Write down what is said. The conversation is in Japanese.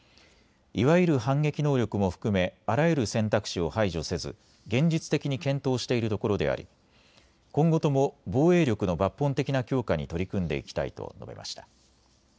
いわゆる反撃能力も含めあらゆる選択肢を排除せず現実的に検討しているところであり今後とも防衛力の抜本的な強化に取り組んでいきたいと述べました。